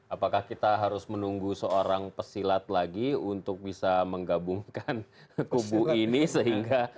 apakah kita harus menunggu seorang pesilat lagi untuk bisa menggabungkan kubu ini sehingga